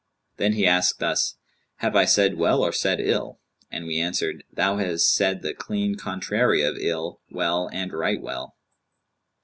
Then he asked us. 'Have I said well or said ill? And we answered, 'Thou hast said the clean contrary of ill, well and right well.'